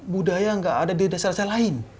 budaya nggak ada di desa desa lain